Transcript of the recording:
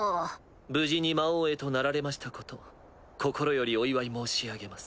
無事に魔王へとなられましたこと心よりお祝い申し上げます。